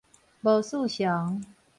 無四常